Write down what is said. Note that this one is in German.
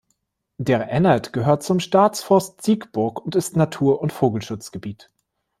Der Ennert gehört zum Staatsforst Siegburg und ist Natur- und Vogelschutzgebiet.